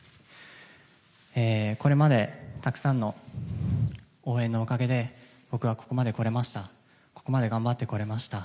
これまでたくさんの応援のおかげで僕はここまで来れました。